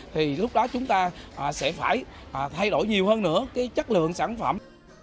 thì lúc đó chúng ta sẽ phải thay đổi nhiều hơn nữa chất lượng sản phẩm